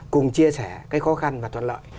cùng chia sẻ cái khó khăn và toàn lợi